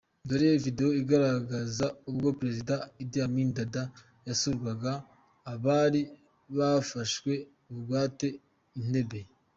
Dore video igaragaza ubwo Perezida Idi Amin Dada yasuraga abari bafashwe bugwate i Entebbe